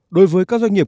đối với các doanh nghiệp